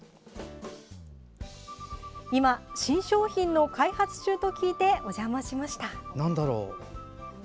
今、新商品の開発中と聞いてお邪魔しました。